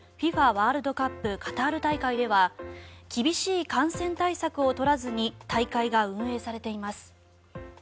ワールドカップカタール大会では厳しい感染対策を取らずに大会が運営されています。